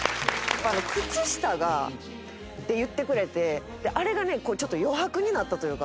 靴下がって言ってくれてあれがねちょっと余白になったというか。